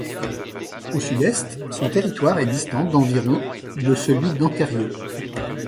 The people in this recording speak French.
Au sud-est, son territoire est distant d'environ de celui d'Anterrieux.